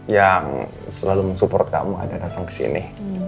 yang selalu mensupport kamu ada datang kesini